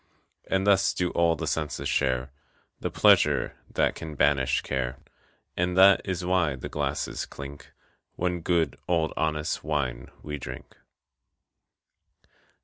And thus do all the senses share The pleasure that can banish care. And that is why the glasses clink When good old honest wine we drink.